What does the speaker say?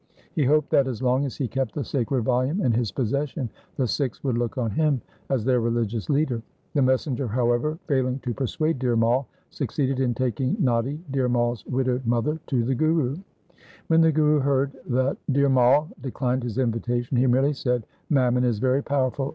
He hoped that, as long as he kept the sacred volume in his possession, the Sikhs would look on him as their religious leader. The messenger, however, failing to persuade Dhir Mai, succeeded in taking Natti, Dhir Mai's widowed mother, to the Guru. When the Guru heard that Dhir Mai declined his invitation, he merely said, ' Mammon is very powerful.